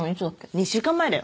２週間前だよ。